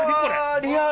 リアル！